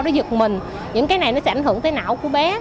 nó giật mình những cái này nó sẽ ảnh hưởng tới não của bé